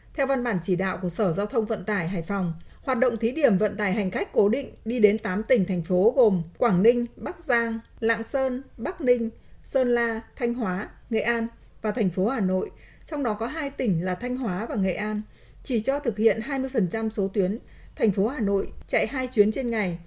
theo văn bản chỉ đạo của sở giao thông vận tài hải phòng hoạt động thí điểm vận tài hành khách cố định đi đến tám tỉnh thành phố gồm quảng ninh bắc giang lạng sơn bắc ninh sơn la thanh hóa nghệ an và thành phố hà nội trong đó có hai tỉnh là thanh hóa và nghệ an chỉ cho thực hiện hai mươi số tuyến thành phố hà nội chạy hai chuyến trên ngày